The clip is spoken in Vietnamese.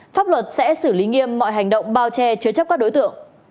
pháp luật sẽ xử lý nghiêm mọi hành động bao che chứa chấp các đối tượng